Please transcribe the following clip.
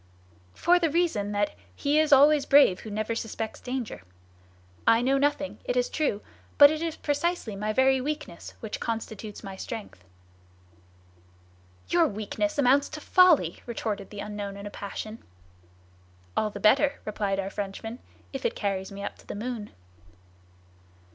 "For the reason that 'he is always brave who never suspects danger.' I know nothing, it is true; but it is precisely my very weakness which constitutes my strength." "Your weakness amounts to folly," retorted the unknown in a passion. "All the better," replied our Frenchman, "if it carries me up to the moon."